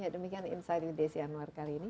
ya demikian insight udacy anwar kali ini